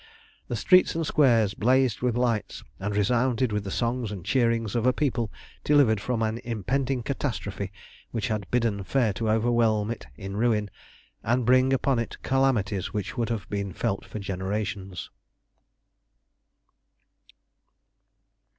The streets and squares blazed with lights and resounded with the songs and cheerings of a people delivered from an impending catastrophe which had bidden fair to overwhelm it in ruin, and bring upon it calamities which would have been felt for generations.